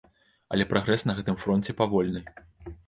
Але прагрэс на гэтым фронце павольны.